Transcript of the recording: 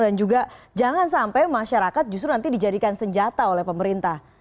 dan juga jangan sampai masyarakat justru nanti dijadikan senjata oleh pemerintah